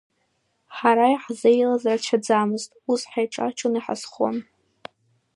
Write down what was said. Ҳара иаҳзеилаз рацәаӡамызт, ус ҳаиҿаччон, иҳазхон…